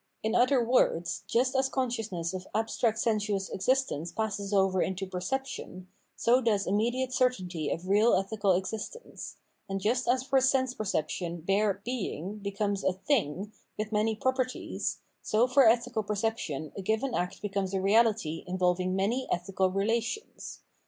In other words, just as con sciousness of abstract sensuous existence passes over into perception, so does immediate certainty of real ethical existence ; and just as for sense perception bare being becomes a thing "" with many proper ties, so for ethical perception a given act becomes a reality involving many ethical relations.